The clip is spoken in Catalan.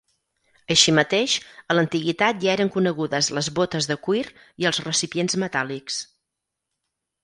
Així mateix, a l'Antiguitat ja eren conegudes les bótes de cuir i els recipients metàl·lics.